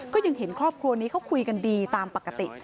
ก็ยังเห็นครอบครัวนี้เขาคุยกันดีตามปกติ